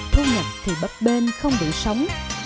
thu nhập thì bất bên không được sống